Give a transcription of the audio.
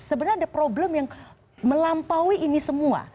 sebenarnya ada problem yang melampaui ini semua